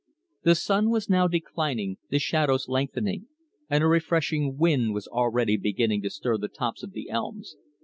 The sun was now declining, the shadows lengthening, and a refreshing wind was already beginning to stir the tops of the elms.